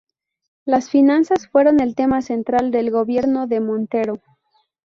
Las finanzas fueron el tema central del gobierno de Montero.